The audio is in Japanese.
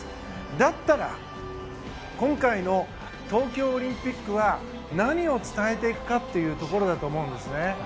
だったら、今回の東京オリンピックは何を伝えていくかというところだと思うんですね。